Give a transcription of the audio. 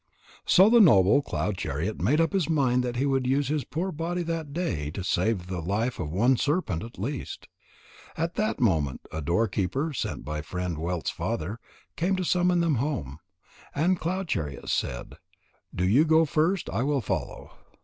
So the noble Cloud chariot made up his mind that he would use his poor body that day to save the life of one serpent at least. At that moment a door keeper, sent by Friend wealth's father, came to summon them home. And Cloud Chariot said: "Do you go first. I will follow."